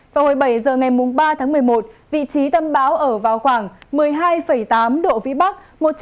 vào hồi bảy giờ ngày ba tháng một mươi một vị trí tâm bão ở vào khoảng một mươi hai tám độ vĩ bắc